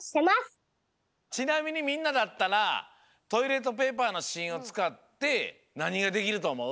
ちなみにみんなだったらトイレットペーパーのしんをつかってなにができるとおもう？